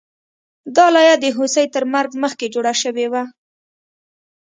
دا لایه د هوسۍ تر مرګ مخکې جوړه شوې وه